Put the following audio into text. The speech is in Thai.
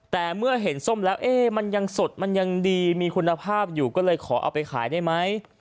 แต่เมื่อเห็นส้มแล้วมันยังสดมันยังดีมีคุณภาพอยู่ก็เลยขอเอาไปขายได้ไหม